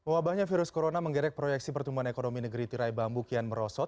wabahnya virus corona menggerek proyeksi pertumbuhan ekonomi negeri tirai bambu kian merosot